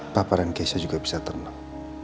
papa dan keisha juga bisa tenang